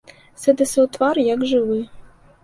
Сэдасаў твар як жывы.